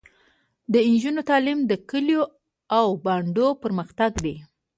د نجونو تعلیم د کلیو او بانډو پرمختګ دی.